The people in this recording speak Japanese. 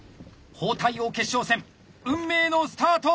包帯王決勝戦運命のスタート！